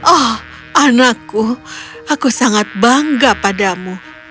oh anakku aku sangat bangga padamu